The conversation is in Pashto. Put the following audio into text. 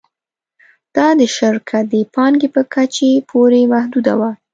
دا د شرکت د پانګې په کچې پورې محدوده وه